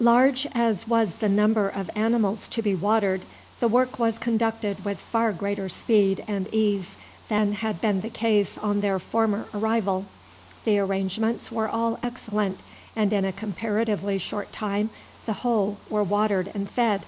Large as was the number of animals to be watered, the work was conducted with far greater speed and ease than had been the case on their former arrival. The arrangements were all excellent, and in a comparatively short time the whole were watered and fed.